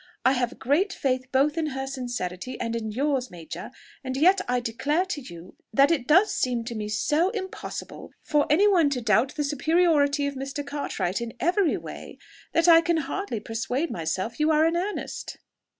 I have great faith both in her sincerity and yours, major; and yet I declare to you, that it does seem to me so impossible for any one to doubt the superiority of Mr. Cartwright in every way, that I can hardly persuade myself you are in earnest."